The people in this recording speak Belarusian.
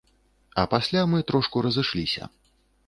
А пасля мы трошку разышліся.